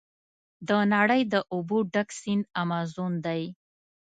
د نړۍ د اوبو ډک سیند امازون دی.